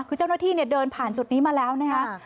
คือเจ้าหน้าที่เนี่ยเดินผ่านจุดนี้มาแล้วนะครับ